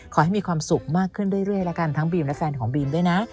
ขอให้มีความสุขมากขึ้นเรื่อยแล้วกันทั้งบีมและแฟนของบีมด้วยนะ